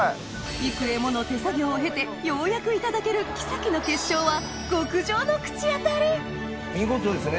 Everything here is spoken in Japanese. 幾重もの手作業を経てようやくいただける奇跡の結晶は見事ですね。